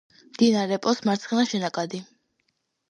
მდინარე პოს მარცხენა შენაკადი.